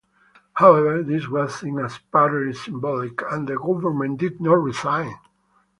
However, this was seen as purely symbolic, and the government did not resign.